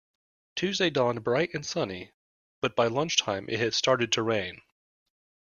Tuesday dawned bright and sunny, but by lunchtime it had started to rain